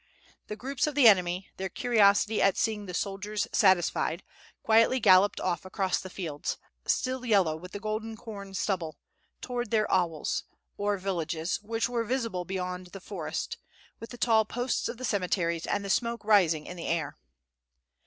The groups of the enemy, their curiosity at seeing the soldiers satisfied, quietly galloped off across the fields, still yellow with the golden corn stubble, toward their auls, or villages, which were visible beyond the forest, with the tall posts of the cemeteries and the smoke rising in the air.